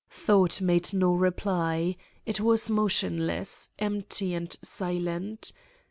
Thought made no reply. It was motionless, empty and silent.